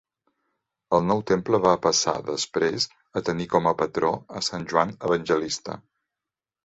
El nou temple va passar, després, a tenir com a patró a Sant Joan Evangelista.